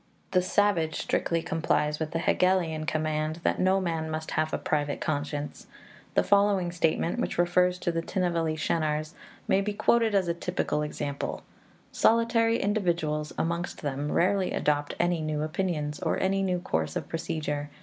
The savage strictly complies with the Hegelian command that no man must have a private conscience. The following statement, which refers to the Tinnevelly Shanars, may be quoted as a typical example: 'Solitary individuals amongst them rarely adopt any new opinions, or any new course of procedure.